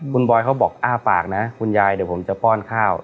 คุณบอยเขาบอกอ้าปากนะคุณยายเดี๋ยวผมจะป้อนข้าว